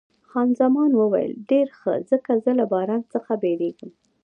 خان زمان وویل، ډېر ښه، ځکه زه له باران څخه بیریږم.